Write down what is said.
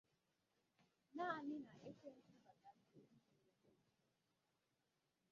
naanị na ekwensu batazịrị n'ime ya